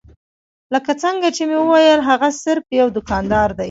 لکه څنګه چې مې وويل هغه صرف يو دوکاندار دی.